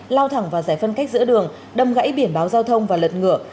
lao thẳng vào giải phân cách giữa đường đâm gãy biển báo giao thông và lật ngửa